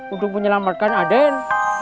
untuk menyelamatkan aden